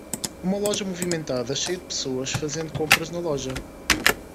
Uma loja movimentada cheia de pessoas fazendo compras na loja.